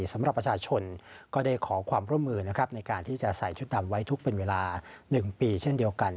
สำหรับประชาชนก็ได้ขอความร่วมมือในการที่จะใส่ชุดดำไว้ทุกเป็นเวลา๑ปีเช่นเดียวกัน